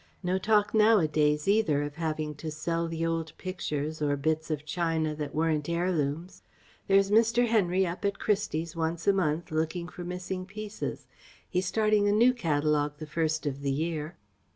No talk nowadays either of having to sell the old pictures or bits of china that weren't heirlooms. There's Mr. Henry up at Christie's once a month looking for missing pieces. He's starting a new catalogue the first of the year."